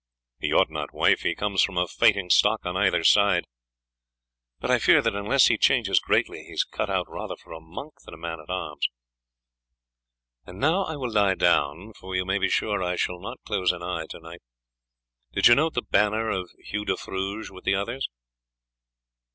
"He ought not, wife; he comes from a fighting stock on either side. But I fear that unless he changes greatly he is cut out rather for a monk than a man at arms. And now I will lie down, for you may be sure that I shall not close an eye to night. Did you note the banner of Hugh de Fruges with the others?"